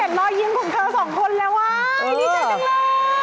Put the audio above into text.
ไม่รหายิ้มของเธอสองคนแล้วว้ายนี่จังแรงเลย